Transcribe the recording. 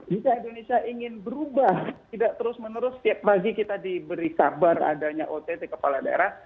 jika indonesia ingin berubah tidak terus menerus setiap pagi kita diberi kabar adanya ott kepala daerah